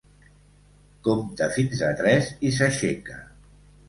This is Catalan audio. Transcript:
Compta fins a tres i s'aixeca.